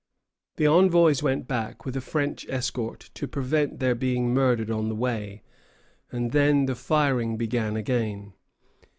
The envoys went back with a French escort to prevent their being murdered on the way, and then the firing began again.